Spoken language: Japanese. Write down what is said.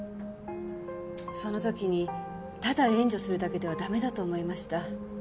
その時にただ援助するだけでは駄目だと思いました。